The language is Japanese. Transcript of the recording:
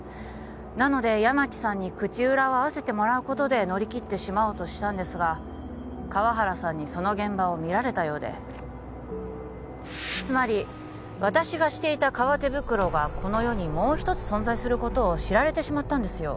なので八巻さんに口裏を合わせてもらうことで乗り切ってしまおうとしたんですが河原さんにその現場を見られたようでつまり私がしていた革手袋がこの世にもう１つ存在することを知られてしまったんですよ